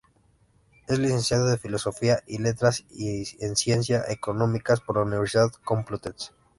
Es licenciado en Filosofía y Letras y en Ciencias Económicas por la Universidad Complutense.